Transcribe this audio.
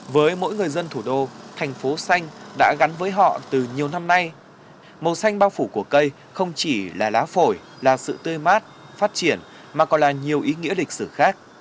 với mỗi người dân thủ đô thành phố xanh đã gắn với họ từ nhiều năm nay màu xanh bao phủ của cây không chỉ là lá phổi là sự tươi mát phát triển mà còn là nhiều ý nghĩa lịch sử khác